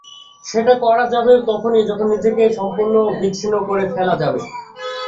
সেটা করা যাবে তখনই, যখন নিজেকে সম্পূর্ণ বিচ্ছিন্ন করে ফেলা যাবে!